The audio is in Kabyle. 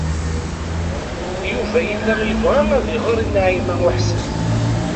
Yuba yella yebɣa ad iɣer i Naɛima u Ḥsen.